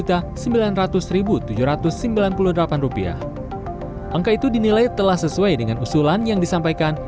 angka itu dinilai telah sesuai dengan usulan yang disampaikan